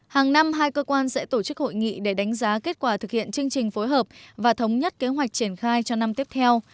hàng năm hai cơ quan sẽ tổ chức hội nghị để đánh giá kết quả thực hiện chương trình phối hợp và thống nhất kế hoạch triển khai cho năm tiếp theo